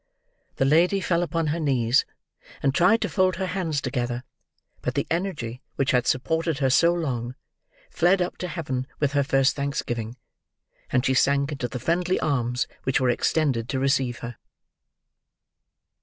The lady fell upon her knees, and tried to fold her hands together; but the energy which had supported her so long, fled up to Heaven with her first thanksgiving; and she sank into the friendly arms which were extended to receive her.